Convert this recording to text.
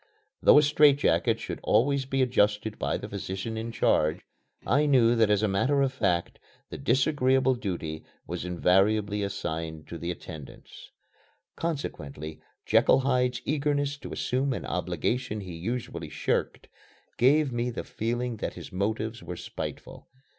Though a straitjacket should always be adjusted by the physician in charge, I knew that as a matter of fact the disagreeable duty was invariably assigned to the attendants. Consequently Jekyll Hyde's eagerness to assume an obligation he usually shirked gave me the feeling that his motives were spiteful.